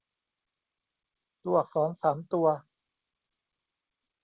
ตัวอักษรสามตัว